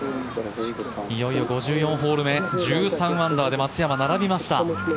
いよいよ５４ホール目１３アンダーで松山、並びました。